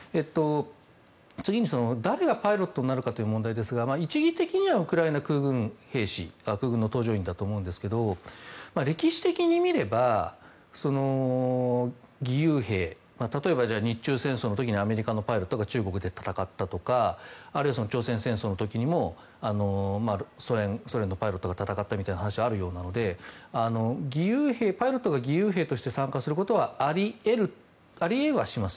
次に、誰がパイロットになるかという問題ですが一義的にはウクライナ空軍の搭乗員だと思うんですけど歴史的に見れば義勇兵例えば日中戦争の時にアメリカのパイロットが中国で戦ったとかあるいは朝鮮戦争の時にもソ連のパイロットが戦ったみたいな話はあるようなのでパイロットとして義勇兵として参加することはあり得はします。